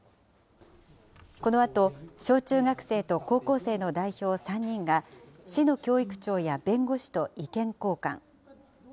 このあと、小中学生と高校生の代表３人が、市の教育長や弁護士と意見交換。